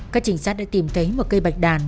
các trinh sát đã tìm thấy một cây bạch đàn